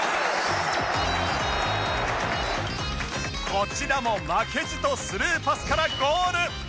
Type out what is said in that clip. こちらも負けじとスルーパスからゴール！